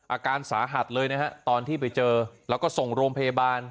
อาการสาหัสเลยนะฮะตอนที่ไปเจอแล้วก็ส่งโรงพยาบาล